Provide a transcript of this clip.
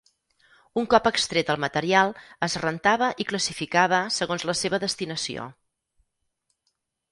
Un cop extret el material es rentava i classificava segons la seva destinació.